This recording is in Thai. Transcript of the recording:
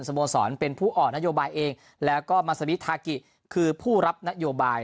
โมสรเป็นผู้ออกนโยบายเองแล้วก็มัสมิทากิคือผู้รับนโยบาย